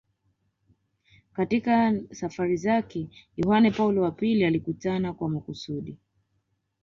Katika safari zake Yohane Paulo wa pili alikutana kwa makusudi